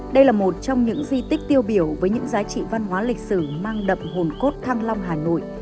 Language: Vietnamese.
đây là một trong những di tích tiêu biểu với những giá trị văn hóa lịch sử mang đậm hồn cốt thăng long hà nội